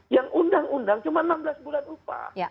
yang undang undang cuma enam belas bulan upah